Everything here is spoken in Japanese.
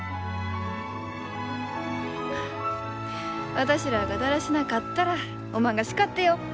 私らあがだらしなかったらおまんが叱ってよ。